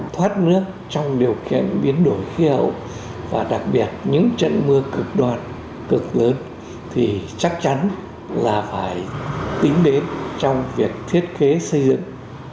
thoát nước trong điều kiện biến đổi khí hậu và đặc biệt những trận mưa cực đoan cực lớn thì chắc chắn là phải tính đến trong việc thiết kế xây dựng